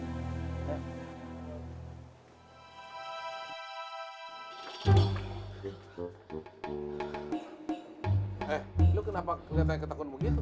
eh lo kenapa liat tanya ketakutanmu gitu